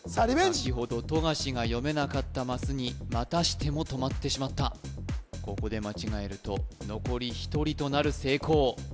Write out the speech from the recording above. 先ほど富樫が読めなかったマスにまたしても止まってしまったここで間違えると残り１人となる聖光